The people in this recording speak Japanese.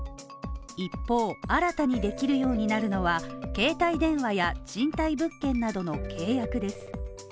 一方、新たにできるようになるのは、携帯電話や賃貸物件などの契約です。